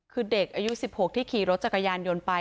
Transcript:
คือเด็กอายุ๑๖ที่ขี่รถจักรยานยนต์ไป